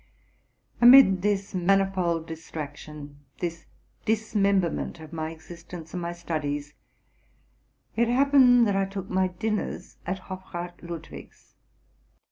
Amid this manifold distraction, this dismemberment of my existence and my studies, it happened that I took my din ners at Hofrath Ludwig's.